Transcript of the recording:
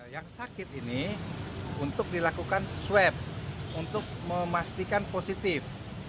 yang sakit ini untuk dilakukan swab untuk memastikan positif